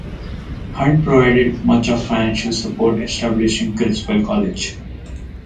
Hunt provided much of the financial support establishing Criswell College.